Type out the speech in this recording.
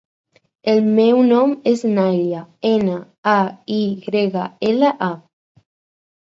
El meu nom és Nayla: ena, a, i grega, ela, a.